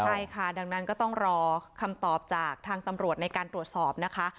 ใช่ค่ะดังนั้นก็ต้องรอคำตอบจากทางตำรวจในการตรวจสอบนะคะ